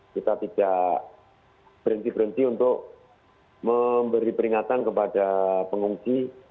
kita tidak berhenti berhenti untuk memberi peringatan kepada pengungsi